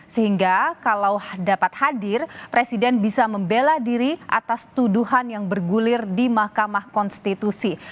sehingga kalau dapat hadir presiden bisa membela diri atas tuduhan yang bergulir di mahkamah konstitusi